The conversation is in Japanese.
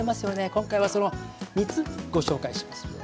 今回はその３つご紹介します。